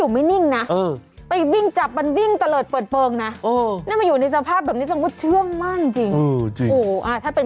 มันเป็นไก่เป็นที่เป็น